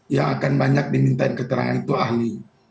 yang akan banyak dimintain keterangan itu ahli